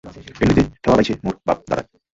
এই নদীতে খেওয়া বাইছে মোর বাপ দাদায়।